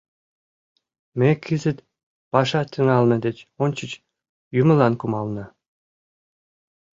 Ме кызыт, паша тӱҥалме деч ончыч, юмылан кумална.